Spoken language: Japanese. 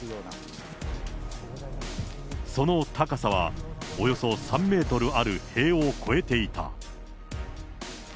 その高さはおよそ３メートルある塀を超えていた。